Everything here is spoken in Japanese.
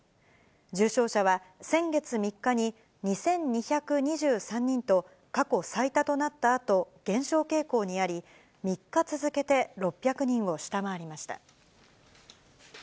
重症者は先月３日に２２２３人と、過去最多となったあと、減少傾向にあり、３日続けて６００人を下回りました。